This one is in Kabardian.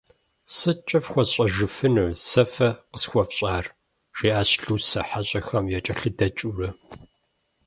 «Сыткӏэ фхуэсщӏэжыфыну, сэ фэ къысхуэфщӏар?» жиӏащ Лусэ, хьэщӏэхэм якӏэлъыдэкӏыурэ.